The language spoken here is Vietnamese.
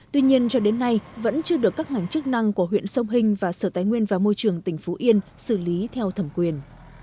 tuy nhiên cho đến nay vẫn chưa được các ngành chức năng của huyện sông hình và sở tài nguyên và môi trường tỉnh phú yên xử lý theo thẩm quyền